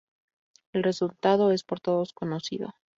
El resultado es por todos conocido.